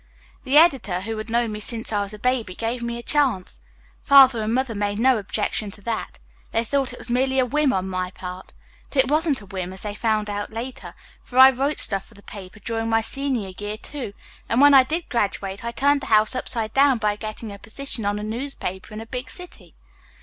The editor, who had known me since I was a baby, gave me a chance. Father and Mother made no objection to that. They thought it was merely a whim on my part. But it wasn't a whim, as they found out later, for I wrote stuff for the paper during my senior year, too, and when I did graduate I turned the house upside down by getting a position on a newspaper in a big city.